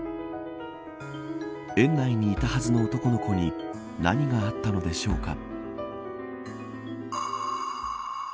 園内にいたはずの男の子に何があったのでしょうか。